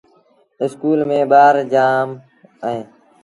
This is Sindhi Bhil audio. اسڪول ميݩ ٻآر با جآم اوهيݩ ۔